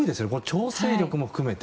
調整力も含めて。